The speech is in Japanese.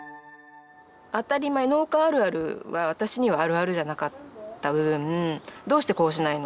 当たり前「農家あるある」は私には「あるある」じゃなかった分どうしてこうしないの？